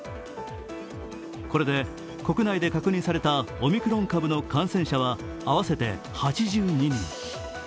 これで国内で確認されたオミクロン株の感染者は合わせて８２人。